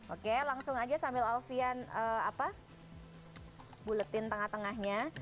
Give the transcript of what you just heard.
oke langsung aja sambil alfian buletin tengah tengahnya